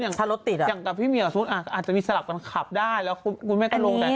อย่างกับพี่เมียอาจจะมีสลับกันขับได้แล้วก็คุณแม่อ๋อไม่ได้